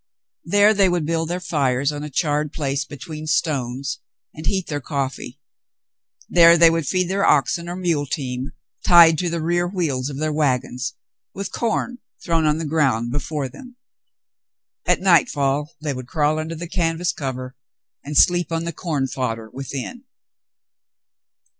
There they would build their fires on a charred place between stones, and heat their coffee. There they would feed their oxen or mule team, tied to the rear wheels of their wagons, with corn thrown on the ground before them. At nightfall they would crawl under the canvas cover and sleep on the corn fodder within.